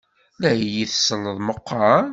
La iyi-tselleḍ meqqar?